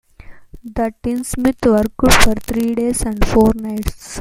The Tinsmiths worked for three days and four nights.